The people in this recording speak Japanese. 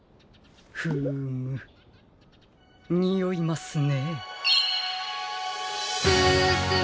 フームにおいますね。